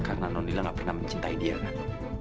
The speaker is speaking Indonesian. karena nonnila gak pernah mencintai dia kan